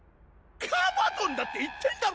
カバトンだって言ってんだろ！